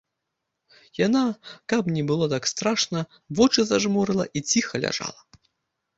Яна, каб не было так страшна, вочы зажмурыла і ціха ляжала.